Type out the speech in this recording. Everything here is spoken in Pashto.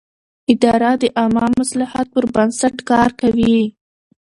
اداره د عامه مصلحت پر بنسټ کار کوي.